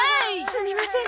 すみません。